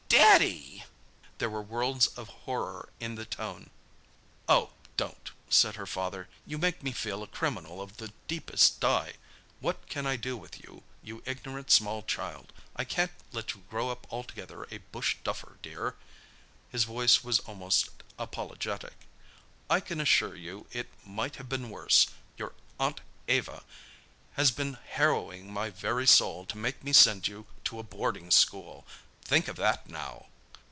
"Daddy!" There were worlds of horror in the tone. "Oh, don't!" said her father. "You make me feel a criminal of the deepest dye. What can I do with you, you ignorant small child? I can't let you grow up altogether a bush duffer, dear." His voice was almost apologetic. "I can assure you it might have been worse. Your Aunt Eva has been harrowing my very soul to make me send you to a boarding school. Think of that now!"